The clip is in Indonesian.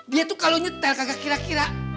dia tuh kalo nyetel kagak kira kira